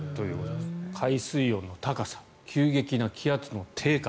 海水温の高さ急激な気圧の低下。